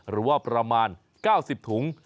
หรือว่าประมาณ๙๐ถุง